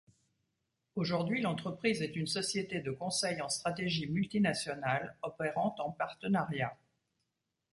Aujourd'hui, l'entreprise est une société de conseil en stratégie multinationale opérant en partenariat.